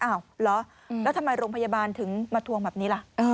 เหรอแล้วทำไมโรงพยาบาลถึงมาทวงแบบนี้ล่ะ